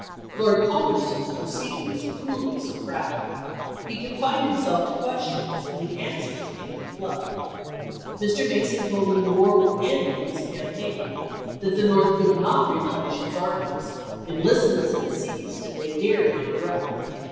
Lord Palmerston's proceeding was cruelly Socratic. He confined himself to ques tions, and the answers came in a flood. Mr. Mason told him the war would end with this campaign ; that the North could not replenish its armies ; en listments had ceased, and they dared not draft.